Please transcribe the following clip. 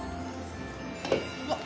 うわっ！